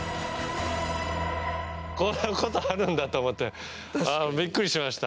こういうことあるんだと思ってびっくりしました。